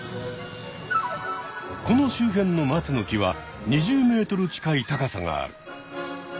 この周辺のマツの木は２０ｍ近い高さがある。